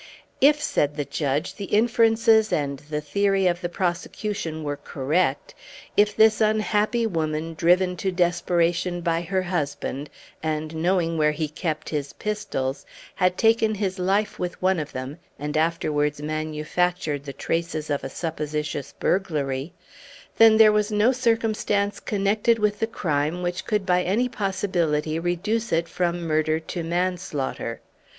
If, said the judge, the inferences and theory of the prosecution were correct; if this unhappy woman, driven to desperation by her husband, and knowing where he kept his pistols, had taken his life with one of them, and afterwards manufactured the traces of a supposititious burglary; then there was no circumstance connected with the crime which could by any possibility reduce it from murder to manslaughter.